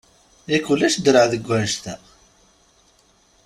Yak ulac draɛ deg wannect-a!